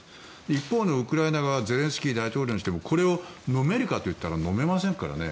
一方のウクライナ側ゼレンスキー大統領にしてもこれをのめるかといったらのめませんからね。